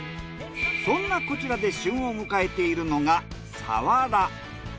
そんなこちらで旬を迎えているのがサワラ。